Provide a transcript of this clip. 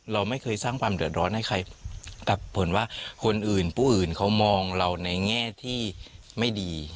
เราไม่เคยสร้างความเดือดร้อนให้ใครตัดผลว่าคนอื่นผู้อื่นเขามองเราในแง่ที่ไม่ดี